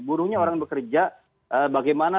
buruhnya orang bekerja bagaimana